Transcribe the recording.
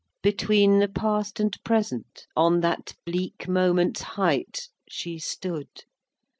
XIII. Between the Past and Present, On that bleak moment's height, She stood.